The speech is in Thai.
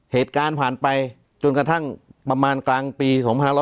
เหตุการณ์ผ่านไปจนกระทั่งประมาณกลางปี๒๕๖๐